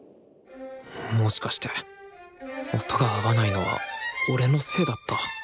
もしかして音が合わないのは俺のせいだった？